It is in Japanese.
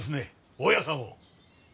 大家さんを。